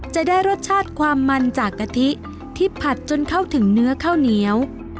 จะได้รสชาติความมันจากกะทิที่ผัดจนเข้าถึงเนื้อข้าวเหนียว